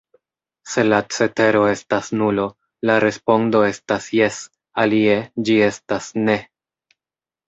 Se la cetero estas nulo, la respondo estas 'jes'; alie, ĝi estas 'ne'.